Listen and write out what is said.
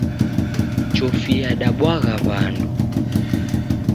Chofi yadabwagha w'andu.